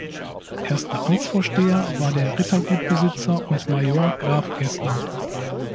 Erster Amtsvorsteher war der Rittergutsbesitzer und Major Graf Geßler.